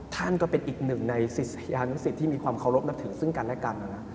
ท่านก็เป็นอีกหนึ่งในศิษยานุสิตที่มีความเคารพนับถือซึ่งกันและกัน